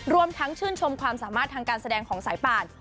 รวมทั้งชื่นชมความสามารถทางการแสดงของสายป่าน